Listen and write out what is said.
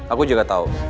aku juga tahu